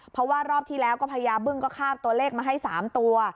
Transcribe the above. เพราะว่ารอบที่แล้วก็พญาบึ้งก็ข้ามตัวเลขมาให้๓ตัว